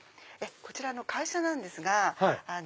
こちら会社なんですが。